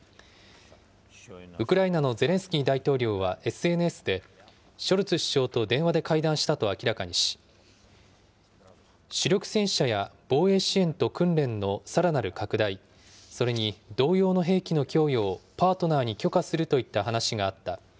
ウクライナのゼレンスキー大統領はＳＮＳで、ショルツ首相と電話で会談したと明らかにし、主力戦車や防衛支援と訓練のさらなる拡大、それに同様の兵器の供与をパートナーに許可するといった話があった。